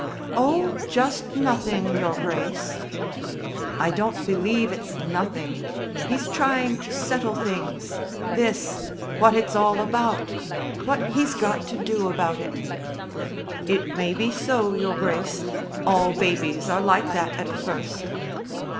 "Oh, just nothing, Your Grace." "I don't believe it's nothing. He's trying to settle things. This what it's all about what he's got to do about it." "It may be so, Your Grace. All babies are like that at first."